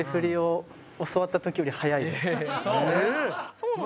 そうなの？